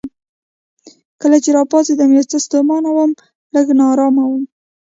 کله چې راپاڅېدم یو څه ستومانه وم، لږ نا ارامه وم.